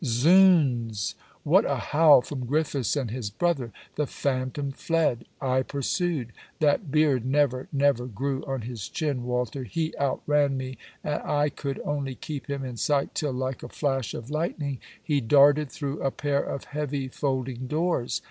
Zounds! What a howl from Griffiths and his brother! The phantom fled. I pursued. That beard never, never, grew on his chin, Walter. He out ran me; and I could only keep him in sight till, like a flash of lightning, he darted through a pair of heavy folding doors.